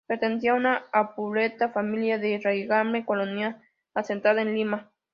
Pertenecía a una opulenta familia de raigambre colonial asentada en Lima.